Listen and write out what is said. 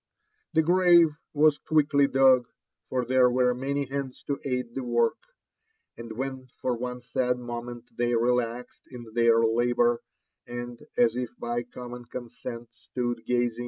The grave was quickly dug, for there were many hands to aid the work ; and when for one sad moment they relaxed in their labour, and, as if by common consent, stood gazing